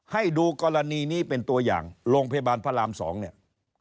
ให้ดูกรณีนี้เป็นตัวอย่างโรงพยาบาลพระราม๒เนี่ย